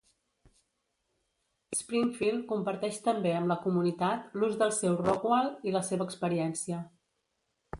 Springfield comparteix també amb la comunitat l'ús del seu Rockwall i la seva experiència.